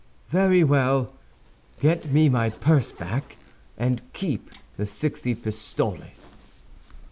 "Very well; get me my purse back and keep the sixty pistoles."